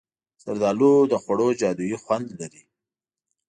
زردالو د خوړو جادويي خوند لري.